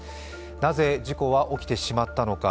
なぜ事故は起きてしまったのか。